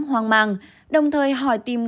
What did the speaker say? hoang mang đồng thời hỏi tìm